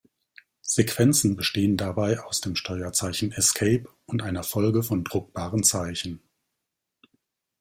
Sequenzen bestehen dabei aus dem Steuerzeichen Escape und einer Folge von druckbaren Zeichen.